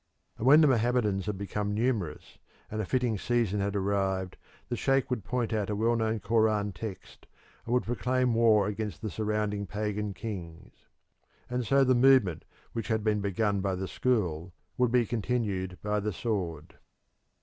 And when the Mohammedans had become numerous, and a fitting season had arrived, the sheikh would point out a well known Koran text and would proclaim war against the surrounding pagan kings. And so the movement which had been begun by the school would be continued by the sword.